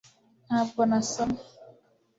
ntabwo nasomye